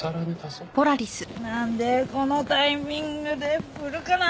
なんでこのタイミングで振るかなあ！